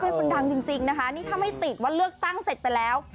คนดังจริงนะคะนี่ถ้าไม่ติดว่าเลือกตั้งเสร็จไปแล้ว